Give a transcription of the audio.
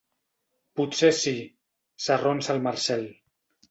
Potser sí —s'arronsa el Marcel.